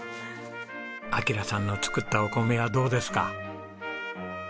暁良さんの作ったお米はどうですか？